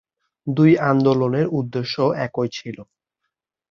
দুই আন্দোলনের উদ্দেশ্য একই ছিল।